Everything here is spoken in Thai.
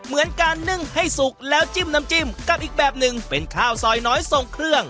เหมือนการนึ่งให้สุกแล้วจิ้มน้ำจิ้มกับอีกแบบหนึ่งเป็นข้าวซอยน้อยทรงเครื่อง